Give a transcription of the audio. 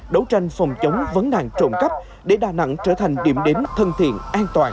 đấu tranh phòng chống vấn nạn trộm cắp để đà nẵng trở thành điểm đến thân thiện an toàn